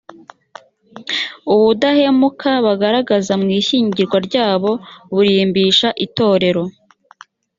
ubudahemuka bagaragaza mu ishyingiranwa ryabo burimbisha itorero